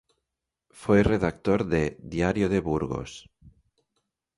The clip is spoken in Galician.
Foi redactor de "Diario de Burgos".